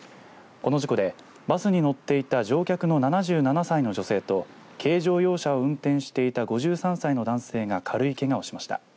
この事故でバスに乗っていた乗客の７７歳の女性と軽乗用車を運転していた５３歳の男性が軽いけがをしました。